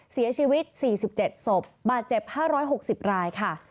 เสียชีวิต๔๗ศพบาดเจ็บ๕๖๐รายค่ะ